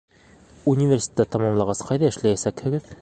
Университетты тамамлағас ҡайҙа эшләйәсәкһегеҙ?